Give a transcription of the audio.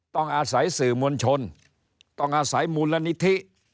ต้องอาศัยสื่อมวลชนต้องอาศัยมูลนิธิ